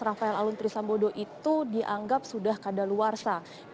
rafael alun trisambodo itu dianggap sudah kadaluarsa